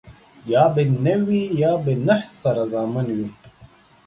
يا به نه وي ،يا به نه سره زامن وي.